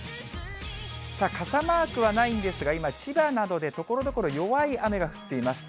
さあ、傘マークはないんですが、今、千葉などでところどころ、弱い雨が降っています。